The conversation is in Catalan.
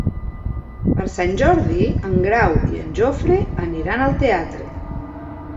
Per Sant Jordi en Grau i en Jofre aniran al teatre.